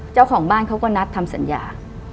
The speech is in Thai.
เจ้าของบ้านเขาก็นัดทำสัญญา